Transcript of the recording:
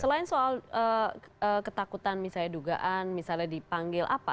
selain soal ketakutan misalnya dugaan misalnya dipanggil apa